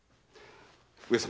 上様